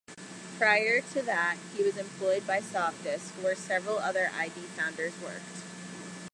Prior to that, he was employed by Softdisk, where several other id founders worked.